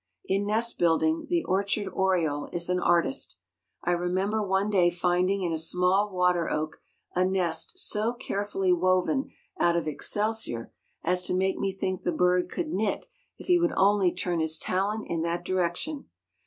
In nest building the orchard oriole is an artist. I remember one day finding in a small water oak a nest so carefully woven out of excelsior as to make me think the bird could knit if he would only turn his talent in that direction.